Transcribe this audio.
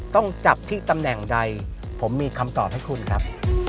ต้องจับที่ตำแหน่งใดผมมีคำตอบให้คุณครับ